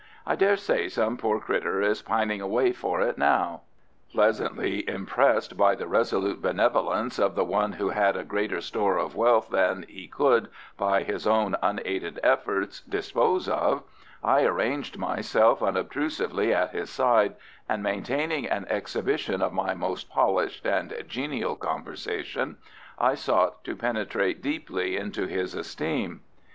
I dare say some poor critter is pining away for it now." Pleasantly impressed by the resolute benevolence of the one who had a greater store of wealth than he could, by his own unaided efforts, dispose of, I arranged myself unobtrusively at his side, and maintaining an exhibition of my most polished and genial conversation, I sought to penetrate deeply into his esteem.